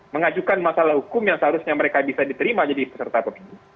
mengajukan masalah hukum yang seharusnya mereka bisa diterima jadi peserta pemilu